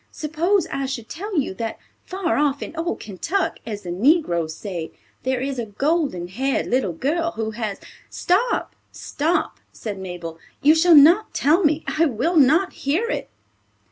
Suppose I should tell you that far off in old Kentuck, as the negroes say, there is a golden haired little girl, who has—" "Stop, stop," said Mabel. "You shall not tell me. I will not hear it."